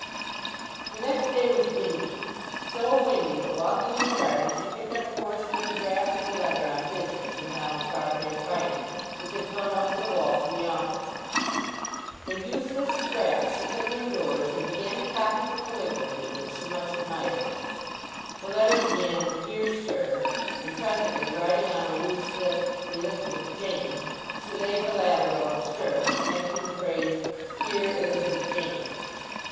The next day was windy—so windy that walking in the garden she picked up a portion of the draft of a letter on business in Donald Farfrae's writing, which had flown over the wall from the office. The useless scrap she took indoors, and began to copy the calligraphy, which she much admired. The letter began "Dear Sir," and presently writing on a loose slip "Elizabeth Jane," she laid the latter over "Sir," making the phrase "Dear Elizabeth Jane."